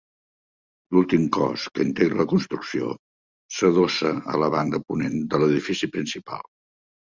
L'últim cos que integra la construcció s'adossa a la banda de ponent de l'edifici principal.